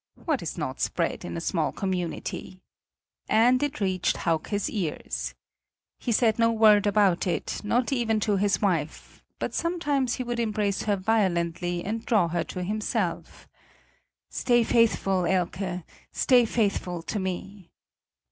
What is not spread in a small community? And it reached Hauke's ears. He said no word about it, not even to his wife; but sometimes he would embrace her violently and draw her to himself: "Stay faithful, Elke! Stay faithful to me!"